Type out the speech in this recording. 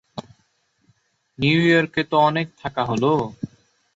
নিউইয়র্কে তো অনেক থাকা হলো।